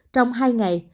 trong hai ngày